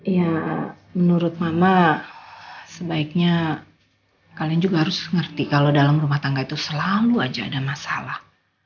ya menurut mama sebaiknya kalian juga harus ngerti kalau dalam rumah tangga itu selalu aja ada masalah